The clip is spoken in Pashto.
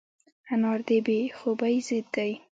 انار د بې خوبۍ ضد دی.